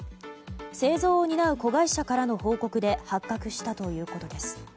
製造を担う子会社からの報告で発覚したということです。